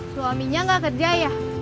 suaminya gak kerja ya